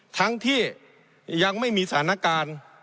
ทั้งที่ยังไม่มีสถานการณ์